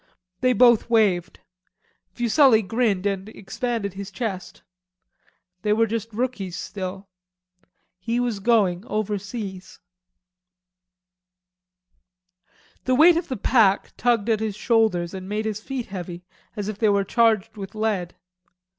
They both waved. Fuselli grinned and expanded his chest. They were just rookies still. He was going overseas. The weight of the pack tugged at his shoulders and made his feet heavy as if they were charged with lead.